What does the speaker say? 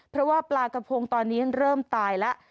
เพราะว่าปลากระพงตอนนี้เริ่มตายแล้ว